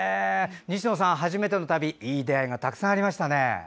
西野さん、初めての旅いい出会いがたくさんありましたね。